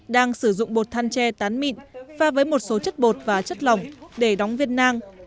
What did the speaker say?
đang sử dụng bột than tre tán mịn pha với một số chất bột và chất lỏng để đóng viên nang